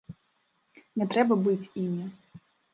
Не трэба быць імі!